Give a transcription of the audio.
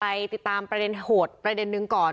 ไปติดตามประเด็นโหดประเด็นนึงก่อน